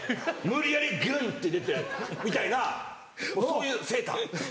無理やりグン！って出てみたいなそういうセーター。